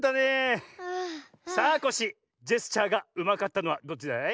さあコッシージェスチャーがうまかったのはどっちだい？